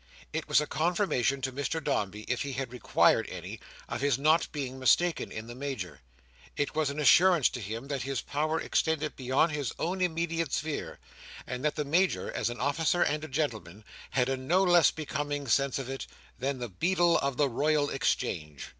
It was a confirmation to Mr Dombey, if he had required any, of his not being mistaken in the Major. It was an assurance to him that his power extended beyond his own immediate sphere; and that the Major, as an officer and a gentleman, had a no less becoming sense of it, than the beadle of the Royal Exchange.